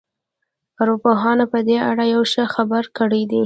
ارواپوهانو په دې اړه يوه ښه خبره کړې ده.